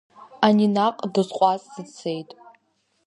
Ани наҟ дысҟәаҵны дцеит.